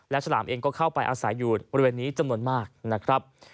และฉลามเองก็เข้าไปอาศัยอยู่บริเวณนี้จำนวนมากนะครับ